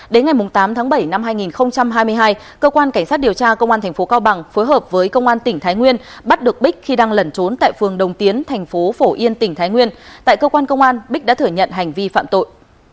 đến ngày tám tháng bảy năm hai nghìn hai mươi hai cơ quan cảnh sát điều tra công an tp cao bằng phối hợp với công an tỉnh thái nguyên bắt được bích khi đang lẩn trốn tại phường đồng tiến thành phố phổ yên tỉnh thái nguyên tại cơ quan công an bích đã thừa nhận hành vi phạm tội